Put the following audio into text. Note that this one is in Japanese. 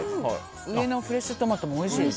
上のフレッシュトマトもおいしい。